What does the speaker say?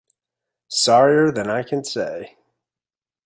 Sorrier than I can say.